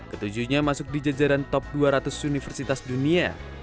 ketujuhnya masuk di jajaran top dua ratus universitas dunia